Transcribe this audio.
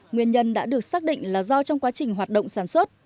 nguyên nhân đã được xác định là do trong quá trình hoạt động sản xuất